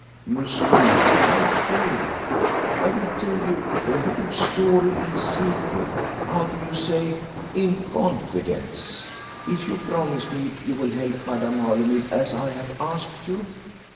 "Monsieur, I do. I will tell you the whole story in secret how do you say? in confidence, if you promise me you will help Madame Holymead as I have asked you."